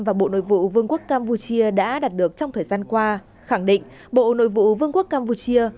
và bộ nội vụ vương quốc campuchia đã đạt được trong thời gian qua khẳng định bộ nội vụ vương quốc campuchia